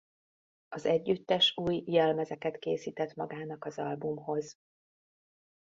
Az együttes új jelmezeket készített magának az albumhoz.